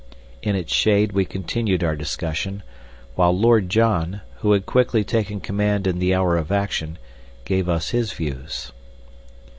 In its shade we continued our discussion, while Lord John, who had quickly taken command in the hour of action, gave us his views.